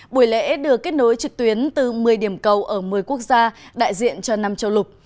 buổi lễ được kết nối trực tuyến từ một mươi điểm cầu ở một mươi quốc gia đại diện cho năm châu lục